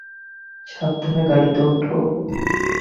সাবধানে গাড়িতে ওঠো।